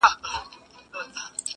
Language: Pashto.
چا له وني څخه وکړله پوښتنه!.